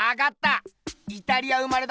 イタリア生まれだっぺよ。